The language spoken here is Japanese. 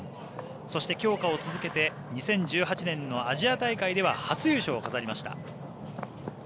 そして強化を続けて２０１８年のアジア大会では初優勝を飾りました。